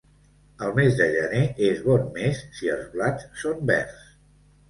El mes de gener és bon mes si els blats són verds.